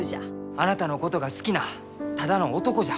あなたのことが好きなただの男じゃ。